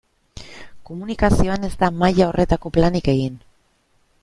Komunikazioan ez da maila horretako planik egin.